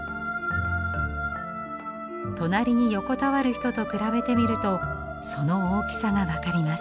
隣に横たわる人と比べてみるとその大きさが分かります。